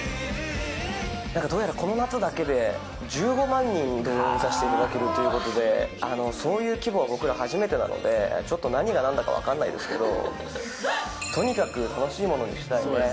なんかどうやら、この夏だけで、１５万人動員させていただけるということで、そういう規模は僕ら初めてなので、ちょっと何がなんだか分かんないですけど、とにかく楽しいものにしたいですね。